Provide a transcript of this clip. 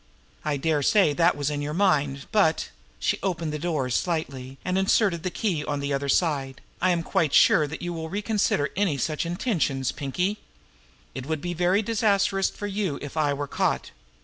I dare say that was in your mind, but" she opened the door slightly, and inserted the key on the outer side "I am quite sure you will reconsider any such intentions Pinkie. It would be a very disastrous thing for you if I were caught.